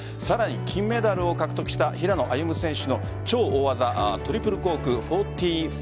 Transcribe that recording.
さらに、金メダルを獲得した平野歩夢選手の超大技・トリプルコーク１４４０。